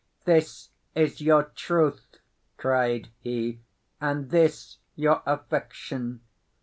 "This is your truth," cried he, "and this your affection!